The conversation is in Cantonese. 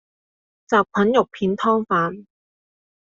什菌肉片湯飯